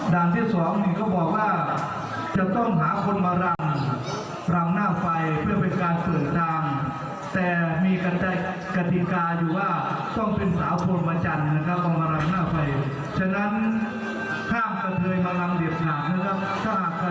เราเลียกเอาเด็กเลยมารามเพราะว่าผู้นี้จากพรหมจรรย์อยู่นะครับ